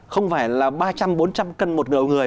không phải là ba trăm linh bốn trăm linh cân một người